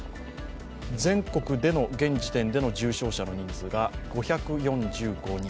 全国での現時点での重症者の人数が５４５人。